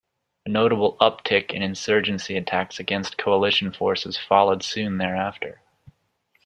A notable uptick in "insurgency" attacks against coalition forces followed soon thereafter.